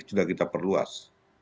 sudah kita perluas